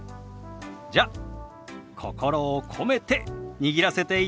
じゃ心を込めて握らせていただきます。